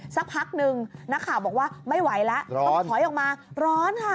สักพักนึงนักข่าวบอกว่าไม่ไหวแล้วต้องถอยออกมาร้อนค่ะ